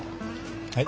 はい？